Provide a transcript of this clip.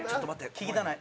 聞きたない。